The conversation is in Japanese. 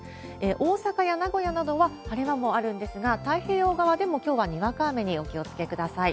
大阪や名古屋などは晴れ間もあるんですが、太平洋側でもきょうはにわか雨にお気をつけください。